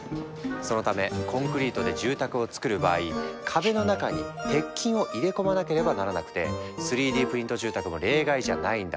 そのためコンクリートで住宅をつくる場合壁の中に鉄筋を入れ込まなければならなくて３Ｄプリント住宅も例外じゃないんだ。